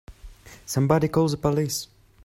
Somebody call the police!